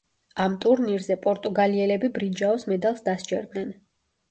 ამ ტურნირზე პორტუგალიელები ბრინჯაოს მედალს დასჯერდნენ.